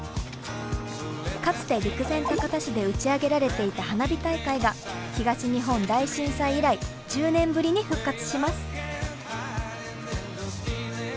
かつて陸前高田市で打ち上げられていた花火大会が東日本大震災以来１０年ぶりに復活します。